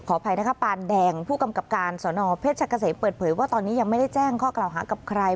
อภัยนะคะปานแดงผู้กำกับการสอนอเพชรกะเสมเปิดเผยว่าตอนนี้ยังไม่ได้แจ้งข้อกล่าวหากับใคร